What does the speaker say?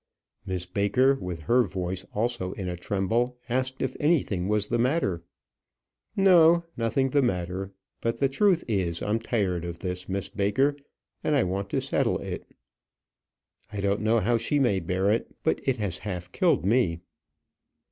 Miss Baker, with her voice also in a tremble, asked if anything was the matter. "No; nothing the matter. But the truth is, I'm tired of this, Miss Baker, and I want to settle it. I don't know how she may bear it, but it has half killed me."